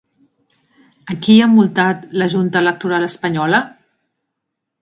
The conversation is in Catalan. A qui ha multat la Junta Electoral espanyola?